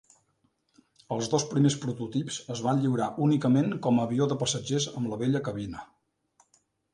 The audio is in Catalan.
Els dos primers prototips es van lliurar únicament com avió de passatgers amb la vella cabina.